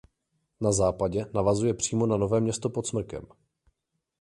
Na západě navazuje přímo na Nové Město pod Smrkem.